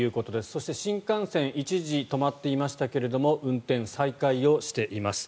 そして、新幹線一時止まっていましたが運転再開をしています。